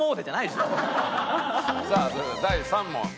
さあそれでは第３問。